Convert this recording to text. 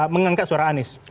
mengangkat suara anies